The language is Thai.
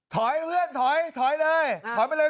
ถอยเพื่อนถอยถอยเลยถอยไปเลย